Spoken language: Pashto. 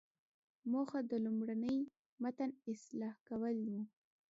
موخه د لومړني متن اصلاح کول وو.